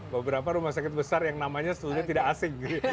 beberapa rumah sakit besar yang namanya sungguhnya tidak asing